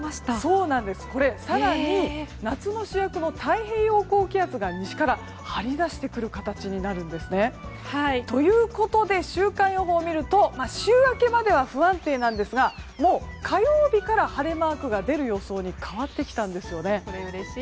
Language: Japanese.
更に夏の主役の太平洋高気圧が西から張り出してくる形になるんです。ということで週間予報を見ると週明けまでは不安定なんですが、火曜日から晴れマークが出る予想にうれしいですね。